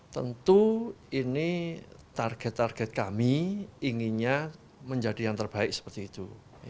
tentu ini target target kami inginnya menjadi yang terbaik seperti itu